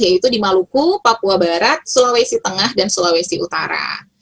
yaitu di maluku papua barat sulawesi tengah dan sulawesi utara